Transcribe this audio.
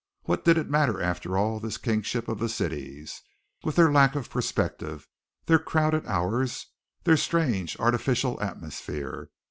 What did it matter, after all, this kingship of the cities, with their lack of perspective, their crowded hours, their strange, artificial atmosphere?